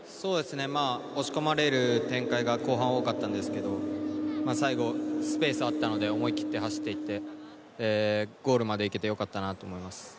押し込まれる展開が後半多かったんですけれども、最後スペースがあったので、思い切って走っていって、ゴールまで行けてよかったなと思います。